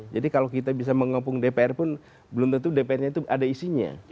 jadi kalau kita bisa menghampung dpr pun belum tentu dpr nya itu ada isinya